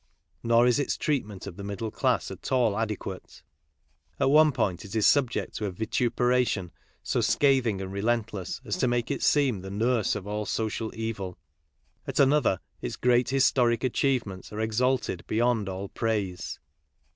Nor is its treatment of the middle class at all adequate. At one point it is subject to a vitupera tion so scathing and relentless, as to make it seem the nurse of all social evil. At another its great historic achievements are exalted beyond all praise.